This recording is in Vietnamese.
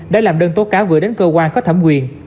đã làm đơn tố cáo gửi đến cơ quan có thẩm quyền